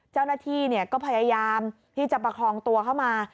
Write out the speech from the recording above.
เจ้าหน้าที่ก็พยายามที่จะประคองตัวเข้ามา